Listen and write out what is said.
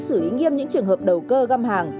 xử lý nghiêm những trường hợp đầu cơ găm hàng